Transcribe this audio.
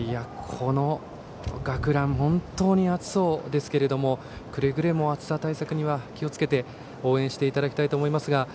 この学ランは本当に暑そうですけどもくれぐれも暑さ対策に気をつけて応援していただきたいと思います。